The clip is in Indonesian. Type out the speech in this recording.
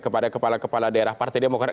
kepada kepala kepala daerah partai demokrat